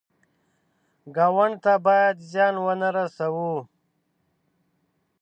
ګاونډي ته باید زیان ونه رسوو